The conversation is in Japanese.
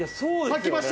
きました！